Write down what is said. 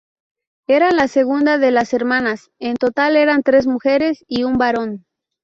Era la segunda de las hermanas; en total eran tres mujeres y un varón.